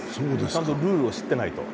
ちゃんとルールを知ってないと。